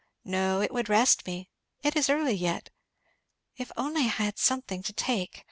"No it would rest me it is early yet if I only had something to take!